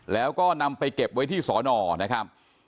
แล้วก็นำไปเก็บไว้ที่สอนอนะครับ